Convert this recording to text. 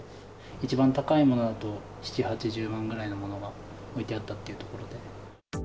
一番高いものだと、７、８０万円ぐらいのものが置いてあったっていうところで。